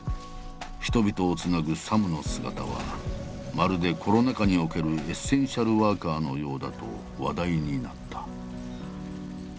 人々を繋ぐサムの姿はまるでコロナ禍におけるエッセンシャルワーカーのようだと話題になった。